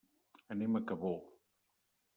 Anem a Cabó.